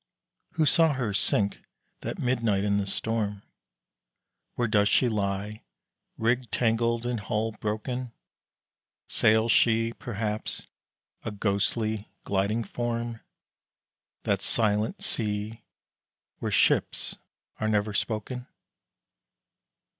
Who saw her sink that midnight in the storm? Where does she lie, rig tangled and hull broken? Sails she, perhaps, a ghostly, gliding form, That silent sea where ships are never spoken?